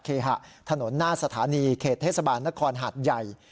ถนนหน้าสถานีเขตเทศบาลนครหาดใหญ่